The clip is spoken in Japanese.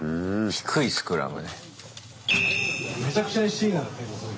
低いスクラム。